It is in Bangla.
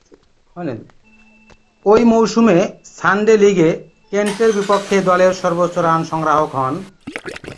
ঐ মৌসুমে সানডে লীগে কেন্টের বিপক্ষে দলের সর্বোচ্চ রান সংগ্রাহক হন।